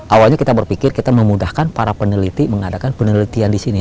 awalnya kita berpikir kita memudahkan para peneliti mengadakan penelitian di sini